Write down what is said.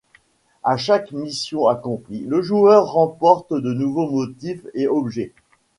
À chaque mission accomplie, le joueur remporte de nouveaux motifs et objets.